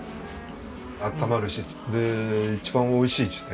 あったまるしで一番おいしいっつって。